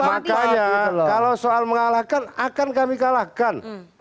makanya kalau soal mengalahkan akan kami kalahkan